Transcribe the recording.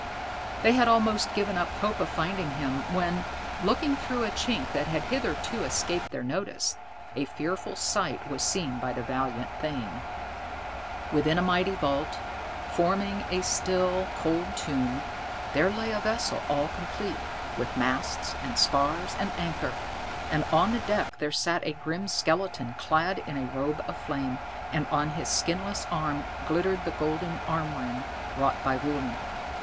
They had almost given up hope of finding him, when, looking through a chink that had hitherto escaped their notice, a fearful sight was seen by the valiant thane. Within a mighty vault, forming a still, cold tomb, there lay a vessel all complete, with masts and spars and anchor; and on the deck there sat a grim skeleton clad in a robe of flame, and on his skinless arm glittered the golden arm ring wrought by Völund.